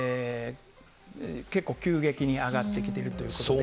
結構急激に上がってきているということで。